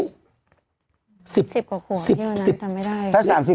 ๑๐กว่าขวบที่วันนั้นทำไม่ได้